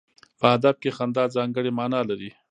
په ادب کې خندا ځانګړی معنا لري.